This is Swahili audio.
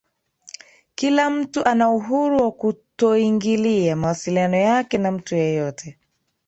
kila mtu ana uhuru wa kutoingilia mawasiliano yake na mtu yeyote